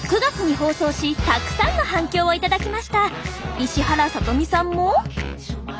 石原さとみさんも。